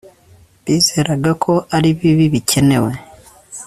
Bizeraga ko ari bibi bikenewe